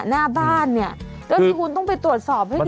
หน้าบ้านเนี่ยก็คือคุณต้องไปตรวจสอบให้ดี